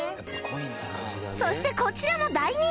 そしてこちらも大人気！